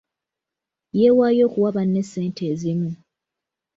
Yeewaayo okuwa banne ssente ezimu.